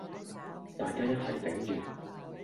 大家一齊頂住